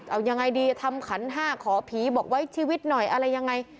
เอายังไงดีทำขันห้าขอผีบอกไว้ชีวิตหน่อยอะไรยังไง